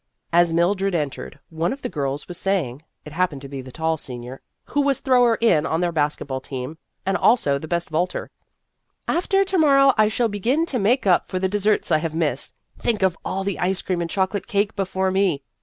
As Mildred entered, one of the girls was saying it happened to be the tall senior who was thrower in on their basket ball team and also the best vaulter " After to morrow I shall begin to make up for the desserts I have missed. Think of all the ice cream and chocolate cake before me